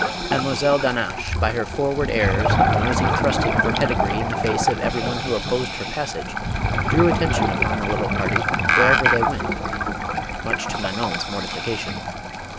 Mademoiselle d'Hannaches, by her forward airs and noisy thrusting of her pedigree in the face of every one 486 MADAME KOLAND. who opposed her passage, drew attention upon the lit tle party, wherever they went, much to Manon's mor tification.